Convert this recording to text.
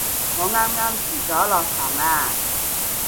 我啱啱遲咗落堂啊